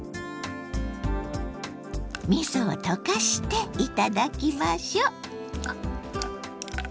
みそを溶かして頂きましょう！